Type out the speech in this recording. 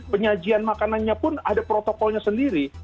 penyajian makanannya pun ada protokolnya sendiri